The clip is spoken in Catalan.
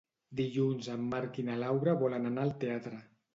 Dilluns en Marc i na Laura volen anar al teatre.